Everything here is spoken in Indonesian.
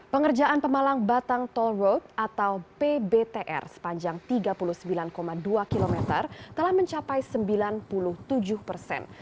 pengerjaan pemalang batang toll road atau pbtr sepanjang tiga puluh sembilan dua km telah mencapai sembilan puluh tujuh persen